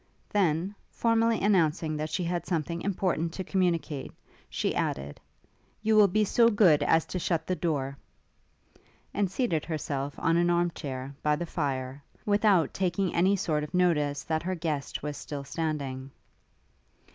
Then, formally announcing that she had something important to communicate, she added, 'You will be so good as to shut the door,' and seated herself on an arm chair, by the fire side; without taking any sort of notice that her guest was still standing.